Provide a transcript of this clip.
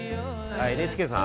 あＮＨＫさん？